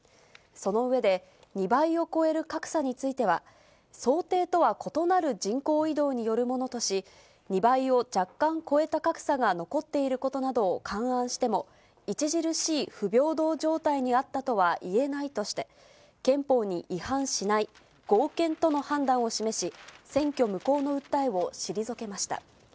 その上で、２倍を超える格差については、想定とは異なる人口移動によるものとし、２倍を若干超えた格差が残っていることなどを勘案しても、著しい不平等状態にあったとはいえないとして、憲法に違反しない、合憲との判断を示し、選挙無効の訴えを退けました。